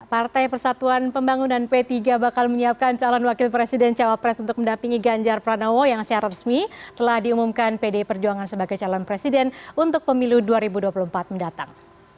partai persatuan pembangunan p tiga bakal menyiapkan calon wakil presiden cawapres untuk mendapingi ganjar pranowo yang secara resmi telah diumumkan pdi perjuangan sebagai calon presiden untuk pemilu dua ribu dua puluh empat mendatang